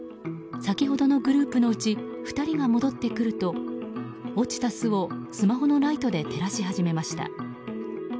先ほどのグループのうち２人が戻ってくると落ちた巣を、スマホのライトで照らし始めました。